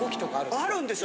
あるんですよ！